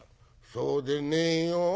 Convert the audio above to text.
「そうでねえよ。